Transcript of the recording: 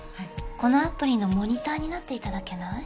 このアプリのモニターになって頂けない？